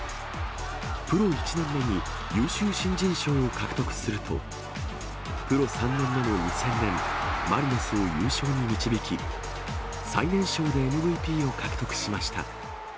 プロ１年目に優秀新人賞を獲得すると、プロ３年目の２０００年、マリノスを優勝に導き、最年少でＭＶＰを獲得しました。